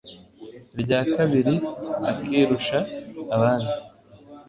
irya kabiri akirusha abandi